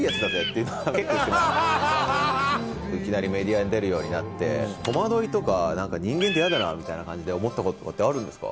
いきなりメディアに出るようになって戸惑いとか人間ってヤダなみたいな感じで思ったこととかってあるんですか？